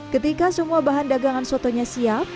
ketika semua bahan dagangan sotonya siap